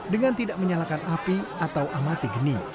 dengan tidak menyalakan api atau amati geni